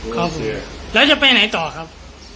ครับผมแล้วจะไปไหนต่อครับ